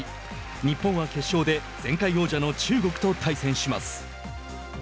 日本は決勝で前回王者の中国と対戦します。